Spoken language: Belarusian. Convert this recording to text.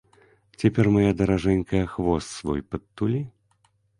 Цяпер, мая даражэнькая, хвост свой падтулі!